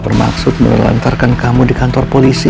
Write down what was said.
bermaksud menelantarkan kamu di kantor polisi